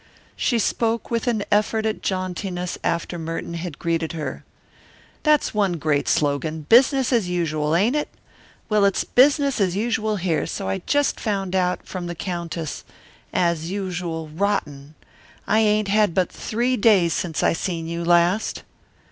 She spoke with an effort at jauntiness after Merton had greeted her. "That's one great slogan, 'Business as Usual!' ain't it? Well, it's business as usual here, so I just found out from the Countess as usual, rotten. I ain't had but three days since I seen you last."